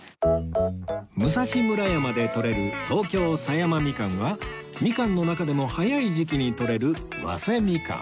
武蔵村山でとれる東京狭山みかんはみかんの中でも早い時期にとれる早生みかん